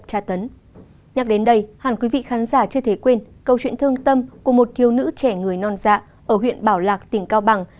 các bạn quý vị khán giả chưa thể quên câu chuyện thương tâm của một thiếu nữ trẻ người non dạ ở huyện bảo lạc tỉnh cao bằng